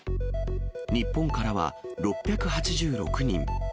日本からは６８６人。